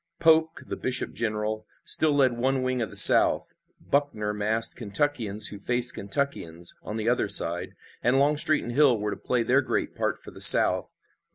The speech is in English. Polk, the bishop general, still led one wing for the South, Buckner massed Kentuckians who faced Kentuckians on the other side, and Longstreet and Hill were to play their great part for the South.